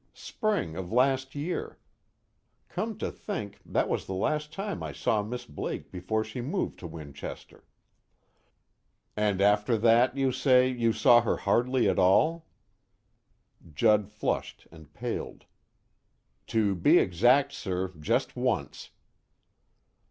Spring of last year. Come to think, that was the last time I saw Miss Blake before she moved to Winchester." "And after that, you say, you saw her hardly at all?" Judd flushed and paled. "To be exact, sir, just once."